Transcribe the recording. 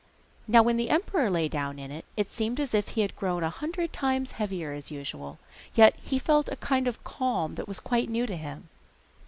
Now when the emperor lay down in it he seemed as if he had grown a hundred times heavier than usual, yet he felt a kind of calm that was quite new to him.